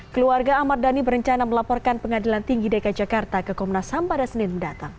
keluarga ahmad dhani berencana melaporkan pengadilan tinggi dki jakarta ke komnas ham pada senin mendatang